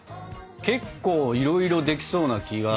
結構いろいろできそうな気が。